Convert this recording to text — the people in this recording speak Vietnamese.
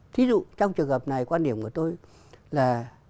thí dụ trong trường hợp này quan điểm của tôi là